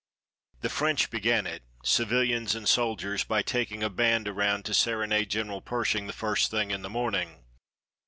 The French began it, civilians and soldiers, by taking a band around to serenade General Pershing the first thing in the morning.